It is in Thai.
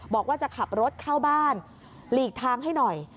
บอกว่าจะขับรถเข้าบ้านหลีกทางให้หน่อย